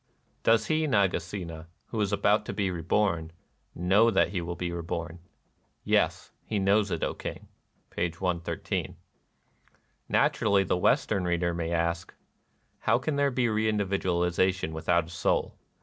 " Does he, Nagasena, who is about to be reborn, know that he will be reborn ?"" Yes : he knows it, O King." (p. 113.) Naturally the Western reader may ask, — "How can there be reindividualization with out a soul